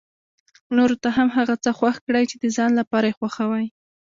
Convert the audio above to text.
نورو ته هم هغه څه خوښ کړي چې د ځان لپاره يې خوښوي.